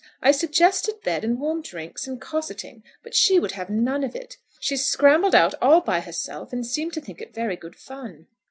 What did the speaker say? I suggested bed, and warm drinks, and cossetting; but she would have none of it. She scrambled out all by herself, and seemed to think it very good fun."